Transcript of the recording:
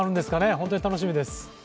本当に楽しみです。